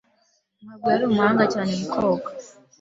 ntabwo yari umuhanga cyane mu koga.